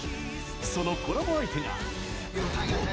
そのコラボ相手が。